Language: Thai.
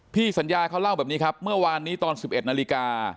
พี่สัญญาเขาเล่าแบบนี้ครับเมื่อวานนี้ตอน๑๑นาฬิกา